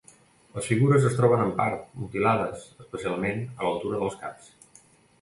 Les figures es troben en part mutilades, especialment a l'altura dels caps.